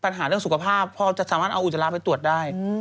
ปัญหาเรื่องสุขภาพพอจะสามารถเอาอุจจาระไปตรวจได้